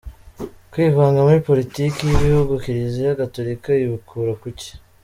Kwivanga muri Politiki y’ibihugu Kiliziya Gatolika ibikura kuki?.